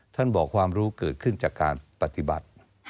ท่านบอกความรู้เกิดขึ้นจากการปฏิบัติ